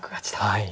はい。